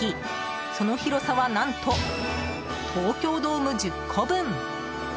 その広さは何と東京ドーム１０個分。